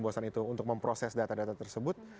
bahwasan itu untuk memproses data data tersebut